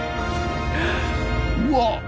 うわっ！